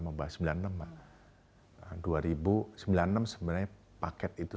dua ribu enam sebenarnya paket itu